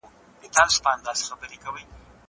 انځور وګوره!!